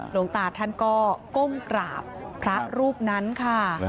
หลวงตาท่านก็ก้มกราบพระรูปนั้นค่ะ